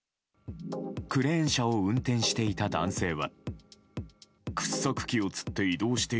クレーン車を運転していた男性は。